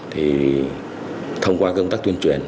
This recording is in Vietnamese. thì thông qua công tác tuyên truyền